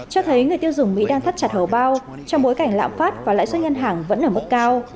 cho thấy người tiêu dùng mỹ đang thắt chặt hầu bao trong bối cảnh lạm phát và lãi suất ngân hàng vẫn ở mức cao